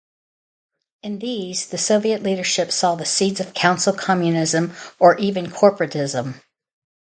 In these, the Soviet leadership saw the seeds of council communism or even corporatism.